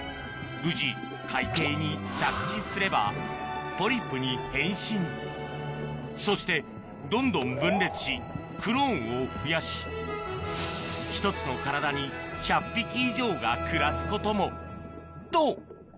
無事海底に着地すればポリプに変身そしてどんどん分裂しクローンを増やし１つの体に１００匹以上が暮らすこともと！